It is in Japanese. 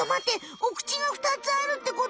お口が２つあるってこと？